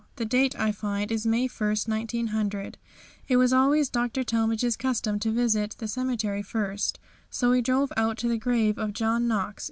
The date, I find, is May 1, 1900. It was always Dr. Talmage's custom to visit the cemetery first, so we drove out to the grave of John Knox.